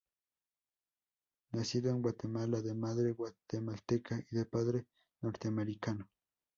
Nacido en Guatemala, de madre guatemalteca y de padre norteamericano.